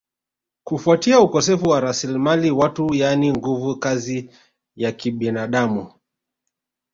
kufuatia ukosefu wa rasilimali watu yani nguvu kazi ya kibinadamu